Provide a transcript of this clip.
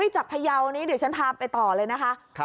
จากพยาวนี้เดี๋ยวฉันพาไปต่อเลยนะคะ